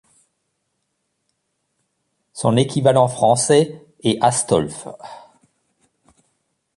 Son équivalent français est Astolphe.